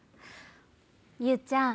裕ちゃん